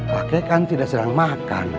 kakek kan tidak serang makan